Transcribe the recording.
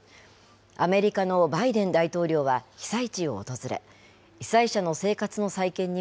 アメリカのバイデン大統領は被災地を訪れ、被災者の生活の再建に